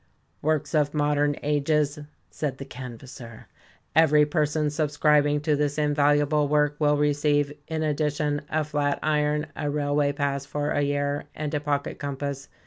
" works of modern ages," said the canvasser. "Every person subscribing to this invaluable work will receive, in addition, a flat iron, a railway pass for a year, and a pocket compass.